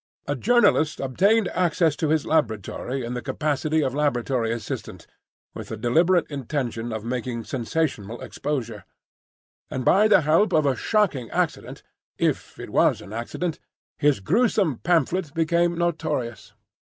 A journalist obtained access to his laboratory in the capacity of laboratory assistant, with the deliberate intention of making sensational exposures; and by the help of a shocking accident (if it was an accident), his gruesome pamphlet became notorious.